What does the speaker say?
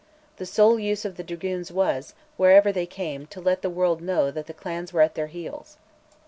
The sole use of the dragoons was, wherever they came, to let the world know that the clans were at their heels.